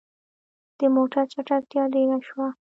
د موټر چټکتيا ډيره شوه.